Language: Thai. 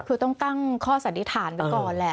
คือต้องตั้งข้อสันนิษฐานไว้ก่อนแหละ